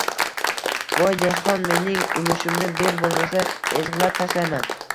Hoy, dehqon, mening ulushimni ber, bo’lmasa ezg’ilab tashlayman